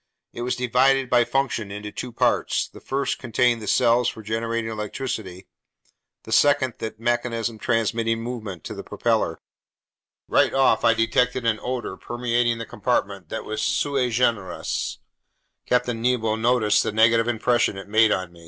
It was divided, by function, into two parts: the first contained the cells for generating electricity, the second that mechanism transmitting movement to the propeller. Right off, I detected an odor permeating the compartment that was sui generis.* Captain Nemo noticed the negative impression it made on me. *Latin: "in a class by itself."